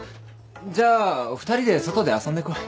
じゃあ２人で外で遊んでこい。